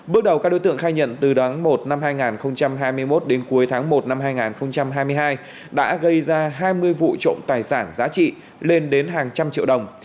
bước đầu các đối tượng khai nhận từ tháng một năm hai nghìn hai mươi một đến cuối tháng một năm hai nghìn hai mươi hai đã gây ra hai mươi vụ trộm tài sản giá trị lên đến hàng trăm triệu đồng